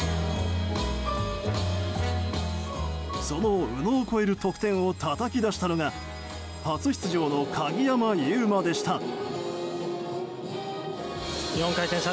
その宇野を超える得点をたたき出したのが初出場の鍵山優真でした。